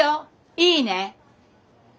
いいね！